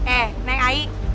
eh neng ai